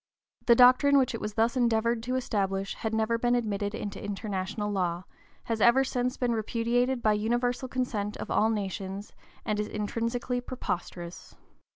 The doctrine which it was thus endeavored to establish had never been admitted into international law, has ever since been repudiated by universal consent of all nations, and is intrinsically preposterous.